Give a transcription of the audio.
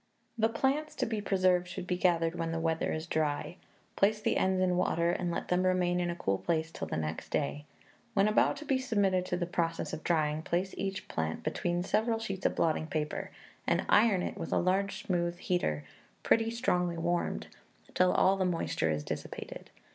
The plants to be preserved should be gathered when the weather is dry. Place the ends in water, and let them remain in a cool place till the next day. When about to be submitted to the process of drying, place each plant between several sheets of blotting paper, and iron it with a large smooth heater, pretty strongly warmed, till all the moisture is dissipated.